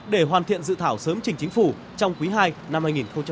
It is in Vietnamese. để hoàn thiện dự thảo sớm trình chính phủ trong quý ii năm hai nghìn một mươi bảy